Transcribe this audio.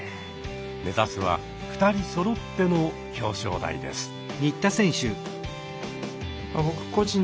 目指すは２人そろっての表彰台です。